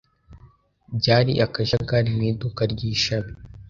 Byari akajagari mu iduka ry’ishami.